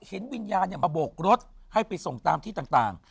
เห็นวิญญาณมาโบกรถให้ไปส่งตามที่ต่าง